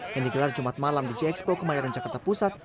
yang digelar jumat malam di gxpok mayoran jakarta pusat